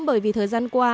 bởi vì thời gian qua